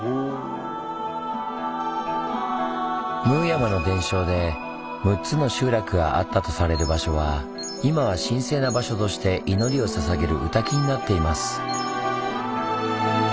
ムーヤマの伝承で６つの集落があったとされる場所は今は神聖な場所として祈りをささげる御嶽になっています。